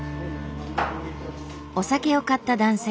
お酒を買った男性。